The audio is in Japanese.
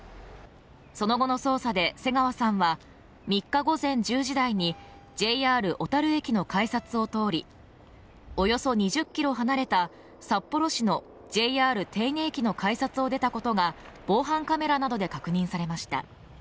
その後の捜査で瀬川さんは３日午前１０時台にＪＲ小樽駅の改札を通りおよそ２０ｋｍ離れた札幌市のＪＲ手稲駅の改札を出たことが防犯カメラなどで確認されました